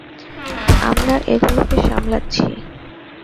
আমরা এগুলোকে সামলাচ্ছি!